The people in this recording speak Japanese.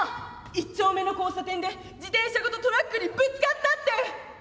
「一丁目の交差点で自転車ごとトラックにぶつかったって」。